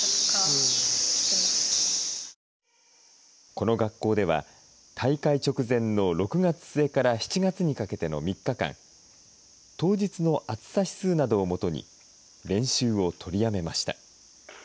この学校では大会直前の６月末から７月にかけての３日間、当日の暑さ指数などをもとに練習を取りやめました。